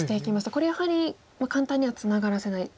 これやはり簡単にはツナがらせないと。